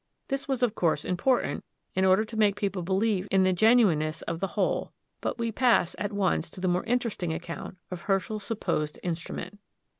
This was, of course, important in order to make people believe in the genuineness of the whole; but we pass at once to the more interesting account of Herschel's supposed instrument.